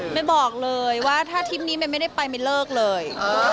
ไม่บอกเลยว่าถ้าทริปนี้มันไม่ได้ไปมันเลิกเลย